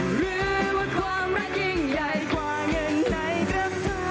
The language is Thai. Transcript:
หรือว่าความรักยิ่งใหญ่กว่าเงินไหนก็เท่า